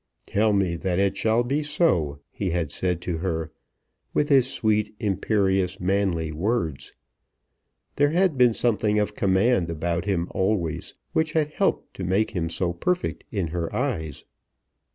"Tell me that it shall be so," he had said to her with his sweet, imperious, manly words. There had been something of command about him always, which had helped to make him so perfect in her eyes.